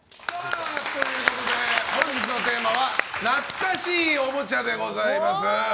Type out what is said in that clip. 本日のテーマは懐かしいおもちゃでございます。